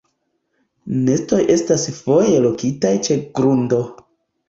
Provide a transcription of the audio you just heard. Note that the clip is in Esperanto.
Nestoj estas foje lokitaj ĉe grundo.